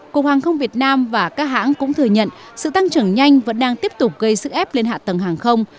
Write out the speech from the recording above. cục hàng không việt nam và các hãng cũng thừa nhận sự tăng trưởng nhanh vẫn đang tiếp tục gây sức ép lên hạ tầng hàng không